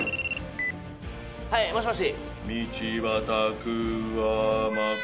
はいもしもし。